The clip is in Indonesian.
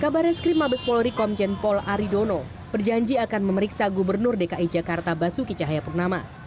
kabar reskrim mabes polri komjen pol aridono berjanji akan memeriksa gubernur dki jakarta basuki cahayapurnama